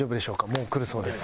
もう来るそうです。